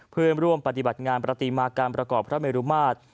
เพื่อร่วมปฏิบัติงานประติมากรรมประกอบพระเมรุมาตร